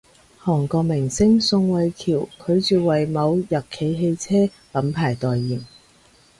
韓國明星宋慧喬拒絕爲某日企汽車品牌代言